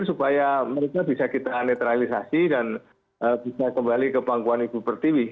supaya mereka bisa kita netralisasi dan bisa kembali ke pangkuan ibu pertiwi